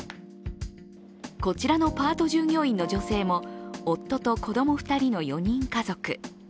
こちらのパート従業員の女性も夫と子供２人の４人家族。